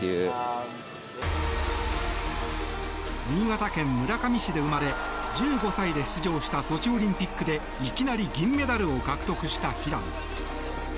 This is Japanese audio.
新潟県村上市で生まれ１５歳で出場したソチオリンピックでいきなり銀メダルを獲得した平野。